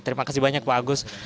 terima kasih banyak pak agus